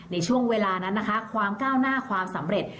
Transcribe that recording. ในช่วงเวลานั้นนะคะความก้าวหน้าความสำเร็จ